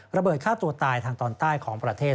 ระเบิดฆ่าตัวตายทางตอนใต้ของประเทศ